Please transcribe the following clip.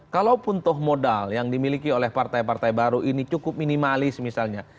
kalaupun toh modal yang dimiliki oleh partai partai baru ini cukup minimalis misalnya